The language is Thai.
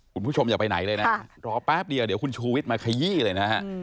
คุณผู้ชมอย่าไปไหนเลยนะรอแป๊บเดียวเดี๋ยวคุณชูวิทย์มาขยี้เลยนะฮะ